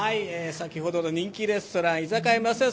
先ほどの人気レストラン、居酒屋ますや